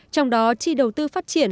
trong đó chi đầu tư phát triển